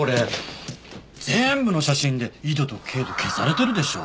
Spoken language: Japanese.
全部の写真で緯度と経度消されてるでしょ？